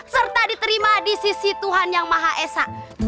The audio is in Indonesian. serta diterima di sisi tuhan yang maha esa